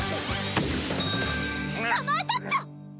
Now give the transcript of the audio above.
捕まえたっちゃ！